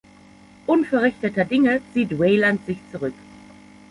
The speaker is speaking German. Unverrichteter Dinge zieht Wayland sich zurück.